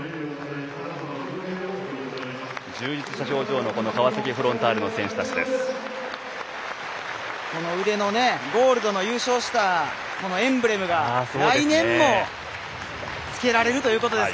充実した表情の川崎フロンターレの選手たちです。